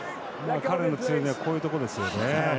彼の強みはこういうところですよね。